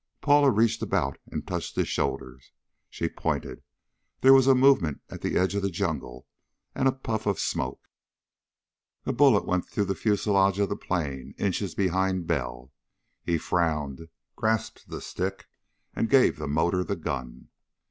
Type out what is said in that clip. Paula reached about and touched his shoulder. She pointed. There was a movement at the edge of the jungle and a puff of smoke. A bullet went through the fusilage of the plane, inches behind Bell. He frowned, grasped the stick, and gave the motor the gun.